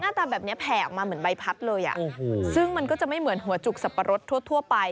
ตาแบบนี้แผ่ออกมาเหมือนใบพัดเลยอ่ะโอ้โหซึ่งมันก็จะไม่เหมือนหัวจุกสับปะรดทั่วไป